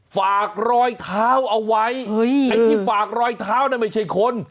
ฝากรอยเท้าเอาไว้ไอ้ที่ฝากรอยเท้านั้นไม่ใช่คน